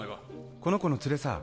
この子の連れさ。